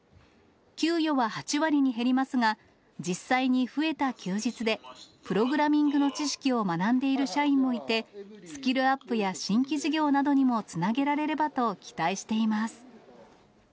給与は８割に減りますが、実際に増えた休日で、プログラミングの知識を学んでいる社員もいて、スキルアップや新規事業などにもつなげられればと期待しています。